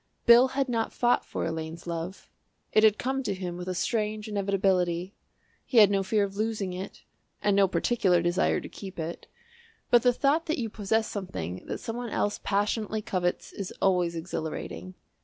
Bill had not fought for Elaine's love; it had come to him with a strange inevitability. He had no fear of losing it and no particular desire to keep it, but the thought that you possess something that some one else passionately covets is always exhilarating.